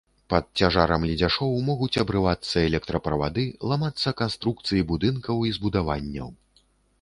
Пад цяжарам ледзяшоў могуць абрывацца электраправады, ламацца канструкцыі будынкаў і збудаванняў.